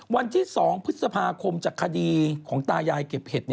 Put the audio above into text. วันที่๒พฤษภาคมจากคดีของตายายเก็บเห็ด